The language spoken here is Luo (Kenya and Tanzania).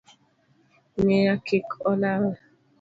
Ngiye kik olal